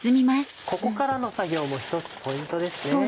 ここからの作業も１つポイントですね。